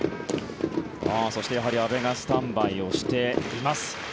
そしてやはり阿部がスタンバイをしています。